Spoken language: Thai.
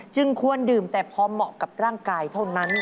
ควรดื่มแต่พอเหมาะกับร่างกายเท่านั้น